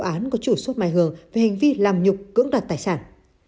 công an có chủ xốp mai hường về hành vi làm nhục cưỡng đặt tài sản